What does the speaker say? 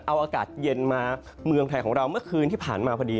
เอาอากาศเย็นมาเมืองไทยของเราเมื่อคืนที่ผ่านมาพอดี